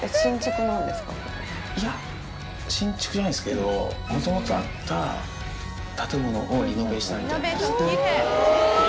いや、新築じゃないですけど、もともとあった建物をリノベしたみたいなやつです。